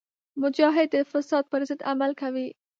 مجاهد د فساد پر ضد عمل کوي.